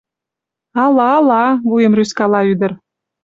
— Ала-ала... — вуйым рӱзкала ӱдыр.